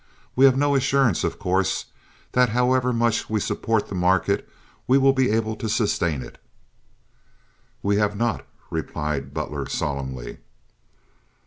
We have no assurance, of course, that however much we support the market we will be able to sustain it." "We have not," replied Butler, solemnly.